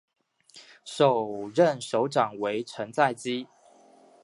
首任首长为成在基。